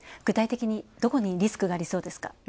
具体的にどこにリスクがありそうですか？